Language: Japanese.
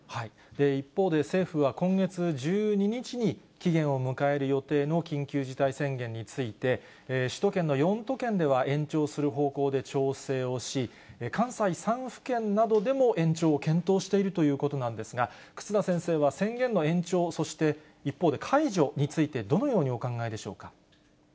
一方で、政府は今月１２日に期限を迎える予定の緊急事態宣言について、首都圏の４都県では延長する方向で調整をし、関西３府県などでも延長を検討しているということなんですが、忽那先生は宣言の延長、そして、一方で解除について、どのようにお考えでしょうか？